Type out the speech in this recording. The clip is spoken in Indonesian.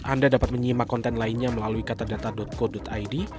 anda dapat menyimak konten lainnya melalui katadata co id